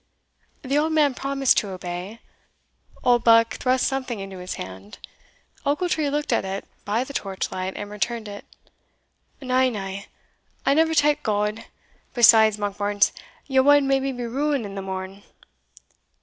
The old man promised to obey. Oldbuck thrust something into his hand Ochiltree looked at it by the torchlight, and returned it "Na, na! I never tak gowd besides, Monkbarns, ye wad maybe be rueing it the morn."